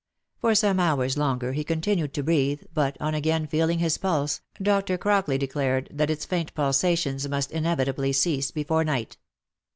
For some hours longer he continued to breathe, but, on again feeling his pulse, Dr. Crockley declared that its faint pulsations must inevitably cease before night.